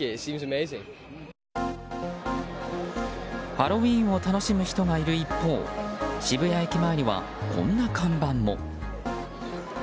ハロウィーンを楽しむ人がいる一方渋谷駅前には、こんな看板も。